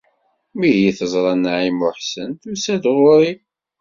Mi iyi-teẓra Naɛima u Ḥsen, tusa-d ɣur-i.